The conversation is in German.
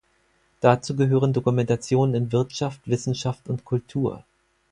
Dazu gehören Dokumentationen in Wirtschaft, Wissenschaft und Kultur.